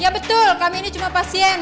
ya betul kami ini cuma pasien